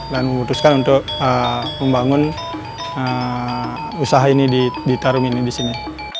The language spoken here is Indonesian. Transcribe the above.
dan memutuskan untuk membangun usaha ini di tarum ini disini